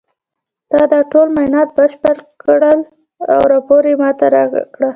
تا دا ټول معاینات بشپړ کړه او راپور یې ما ته راوړه